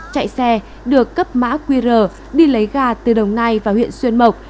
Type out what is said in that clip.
chạy xe được cấp mã qr đi lấy gà từ đồng nai và huyện xuyên mộc